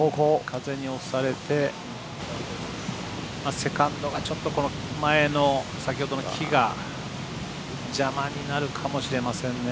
風に押されてセカンドがちょっと前の先ほどの木が邪魔になるかもしれませんね。